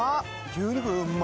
牛肉うま。